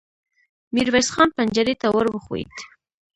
ميرويس خان پنجرې ته ور وښويېد.